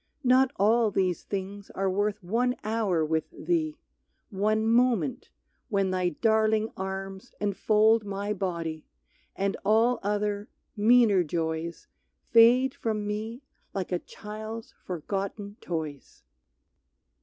Not all these things are worth one hour with thee, One moment, when thy daring arms enfold My body, and all other, meaner joys, Fade from me like a child's forgotten toys.